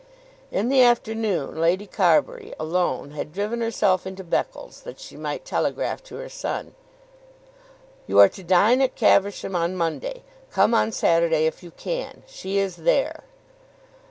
In the afternoon Lady Carbury, alone, had herself driven into Beccles that she might telegraph to her son. "You are to dine at Caversham on Monday. Come on Saturday if you can. She is there."